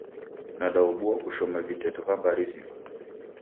Nadaobua kushoma viteto va mbari zima.